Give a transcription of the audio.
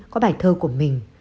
có bài thơ của mình